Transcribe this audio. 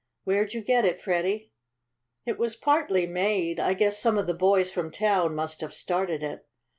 Where'd you get it, Freddie?" "It was partly made I guess some of the boys from town must have started it.